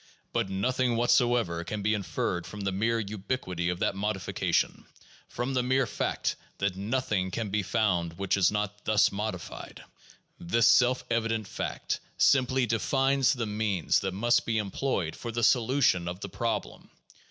But nothing whatsoever can be inferred from the mere ubiquity of that modification, from the mere fact that nothing can be found which is not thus modified. This self evident fact simply defines the means that must be employed for the solution of the problem.